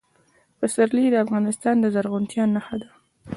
پسرلی د افغانستان د زرغونتیا نښه ده.